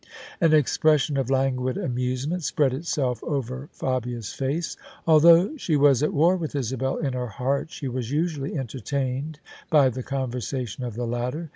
An expression of languid amusement spread itself over Fabia's face. Although she was at war with Isabel in her heart, she was usually entertained by the conversation of the latter.